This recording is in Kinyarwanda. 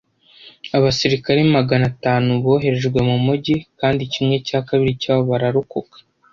Abasirikare magana atanu boherejwe mu mujyi, kandi kimwe cya kabiri cyabo bararokoka.